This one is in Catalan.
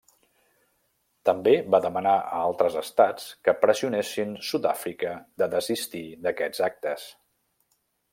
També va demanar a altres estats que pressionessin Sud-àfrica de desistir d'aquests actes.